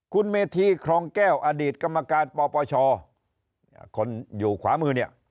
คุณเมธีครองแก้วอดีตกรรมการปปชคนอยู่ขวามือเนี่ย